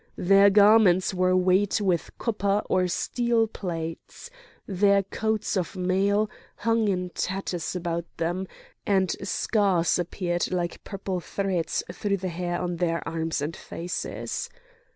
Their garments were weighted with copper or steel plates; their coats of mail hung in tatters about them, and scars appeared like purple threads through the hair on their arms and faces.